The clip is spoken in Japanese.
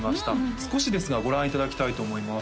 少しですがご覧いただきたいと思います